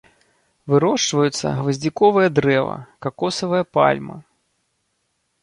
Вырошчваюцца гваздзіковае дрэва, какосавая пальма.